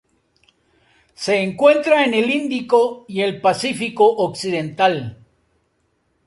Se encuentra en el Índico y el Pacífico occidental.